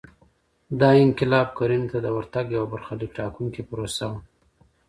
دا انقلاب کرنې ته د ورتګ یوه برخلیک ټاکونکې پروسه وه